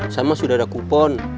sama sudah ada kupon